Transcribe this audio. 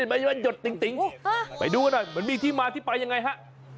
มันหยดติ๋งไปดูหน่อยมันมีที่มาที่ไปยังไงฮะ